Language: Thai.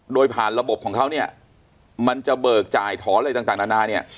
โดยผ่านระบบของเขาเนี่ยมันจะเบิกจ่ายถอนอะไรต่างนานาเนี่ย